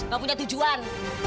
gak punya tujuan